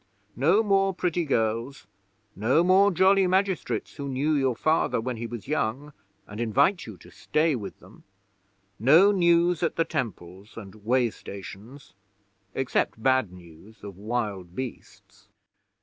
No more pretty girls; no more jolly magistrates who knew your Father when he was young, and invite you to stay with them; no news at the temples and way stations except bad news of wild beasts.